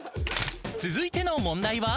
［続いての問題は］